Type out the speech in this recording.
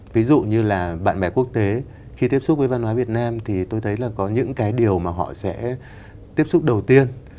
ví dụ như là bạn bè quốc tế khi tiếp xúc với văn hóa việt nam thì tôi thấy là có những cái điều mà họ sẽ tiếp xúc đầu tiên